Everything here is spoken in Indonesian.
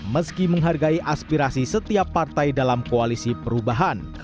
meski menghargai aspirasi setiap partai dalam koalisi perubahan